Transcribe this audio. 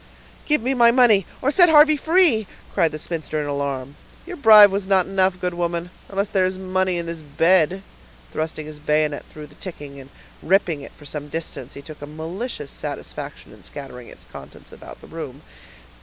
"Give me my money, or set Harvey free," cried the spinster in alarm. "Your bribe was not enough, good woman, unless there is money in this bed." Thrusting his bayonet through the ticking and ripping it for some distance, he took a malicious satisfaction in scattering its contents about the room.